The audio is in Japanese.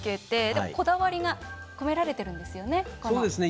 でも、こだわりが込められてるんですよね？